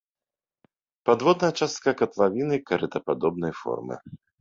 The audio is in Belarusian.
Падводная частка катлавіны карытападобнай формы.